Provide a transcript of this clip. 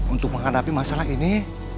untuk menghadapi masalah ini